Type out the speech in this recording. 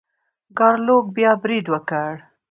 ګارلوک بیا برید وکړ.